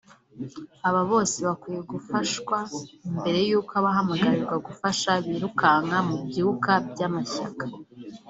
Aba bose bakwiye gufashwa mbere y’uko abahamagarirwa gufasha birukanka mu byuka by’amashyaka